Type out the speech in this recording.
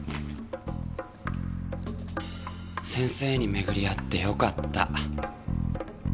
先生にめぐり会って良かった。